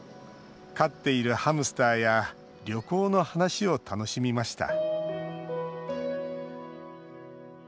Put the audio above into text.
飼っているハムスターや旅行の話を楽しみました。